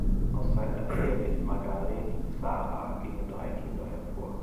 Aus seiner Ehe mit Margaret Zahra gingen drei Kinder hervor.